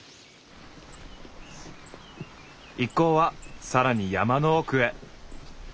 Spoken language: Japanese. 一行はさらに山の奥へ。